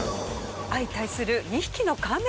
相対する２匹のカメ。